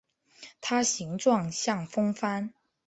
它形状像风帆。